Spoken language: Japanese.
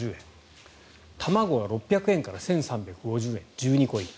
卵が６００円から１３５０円１２個入り。